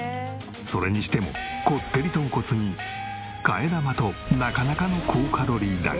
それにしてもこってり豚骨に替え玉となかなかの高カロリーだが。